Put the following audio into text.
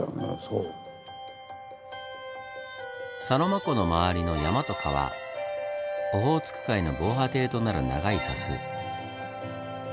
サロマ湖の周りの山と川オホーツク海の防波堤となる長い砂州。